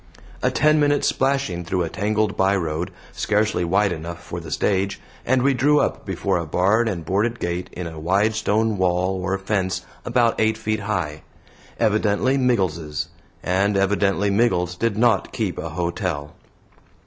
A ten minutes splashing through a tangled by road, scarcely wide enough for the stage, and we drew up before a barred and boarded gate in a wide stone wall or fence about eight feet high. Evidently Miggles's, and evidently Miggles did not keep a hotel.